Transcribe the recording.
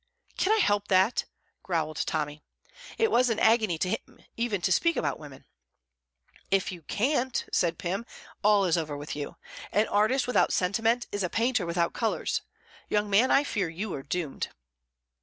"Can I help that?" growled Tommy. It was an agony to him even to speak about women. "If you can't," said Pym, "all is over with you. An artist without sentiment is a painter without colours. Young man, I fear you are doomed."